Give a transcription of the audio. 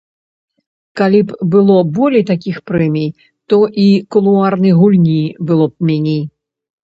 Калі б было болей такіх прэмій, то і кулуарнай гульні было б меней.